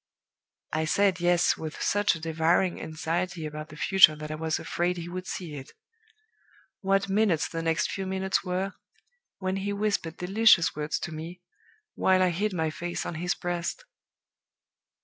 I said 'Yes' with such a devouring anxiety about the future that I was afraid he would see it. What minutes the next few minutes were, when he whispered delicious words to me, while I hid my face on his breast!